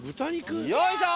よいしょ！